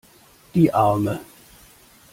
Die Arme!